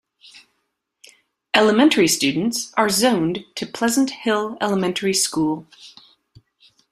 Elementary students are zoned to Pleasant Hill Elementary School.